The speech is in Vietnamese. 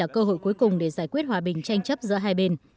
cơ hội cuối cùng để giải quyết hòa bình tranh chấp giữa hai bên